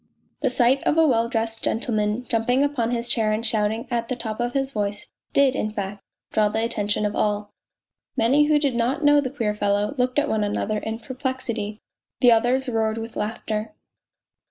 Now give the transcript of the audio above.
The sight of a well dressed gentleman jumping upon his chair and shouting at the top of his voice did, in fact, draw the attention of all. Many who did not know the queer fellow looked at one another in perplexity, the others roared with laughter.